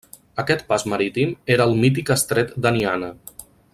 Aquest pas marítim era el mític Estret d'Aniana.